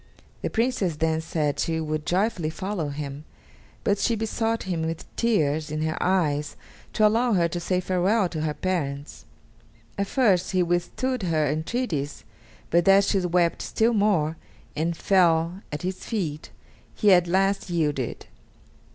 The Princess then said she would joyfully follow him, but she besought him with tears in her eyes to allow her to say farewell to her parents. At first he withstood her entreaties, but as she wept still more, and fell at his feet, he at last yielded.